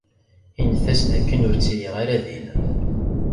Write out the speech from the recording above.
Init-as d akken ur ttiliɣ ara din.